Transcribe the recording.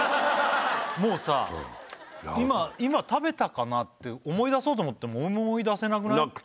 もうさ今食べたかなって思い出そうと思っても思い出せなくない？